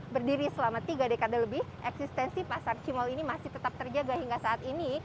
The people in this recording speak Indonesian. berdiri selama tiga dekade lebih eksistensi pasar cimol ini masih tetap terjaga hingga saat ini